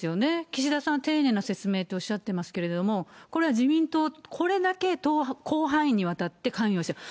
岸田さん、丁寧な説明っておっしゃってますけども、これは自民党、これだけ広範囲にわたって関与してる。